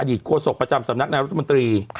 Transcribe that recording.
โฆษกประจำสำนักนายรัฐมนตรี